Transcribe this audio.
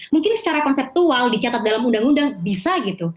mungkin secara konseptual dicatat dalam undang undang bisa gitu